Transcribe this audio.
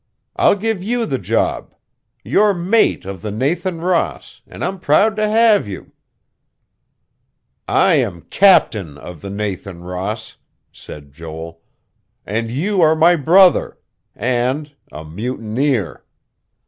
I'll give you the job. You're mate of the Nathan Ross and I'm proud to have you...." "I am captain of the Nathan Ross," said Joel. "And you are my brother, and a mutineer.